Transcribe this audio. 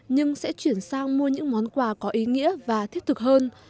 nhưng sẽ chuyển sang mua những món quà có ý nghĩa và thiết thực hơn